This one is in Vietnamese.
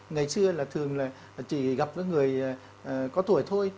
ngày xưa là thường là chỉ gặp với người có tuổi thôi